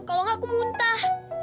kalo gak aku muntah